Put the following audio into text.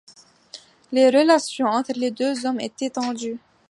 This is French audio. Les relations entre les deux hommes étaient tendues.